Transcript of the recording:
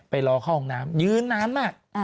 รอเข้าห้องน้ำยืนนานมาก